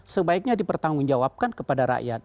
sebaiknya dipertanggung jawabkan kepada rakyat